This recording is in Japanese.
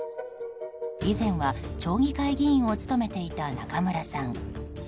以前は町議会議員を務めていた中村さん。